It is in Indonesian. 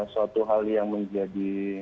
suatu hal yang menjadi